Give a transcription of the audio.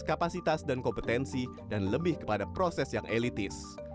kapasitas dan kompetensi dan lebih kepada proses yang elitis